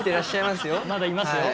まだいますよ。